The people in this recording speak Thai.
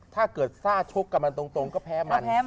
ถ้าเกิดซ่าชกกับมันตรงก็แพ้มัน